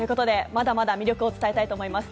まだまだ魅力を伝えたいと思います。